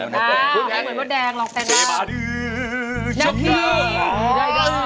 เจ๊บาดื้อชงดา